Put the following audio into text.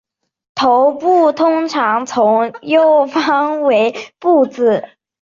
殳部通常从右方为部字。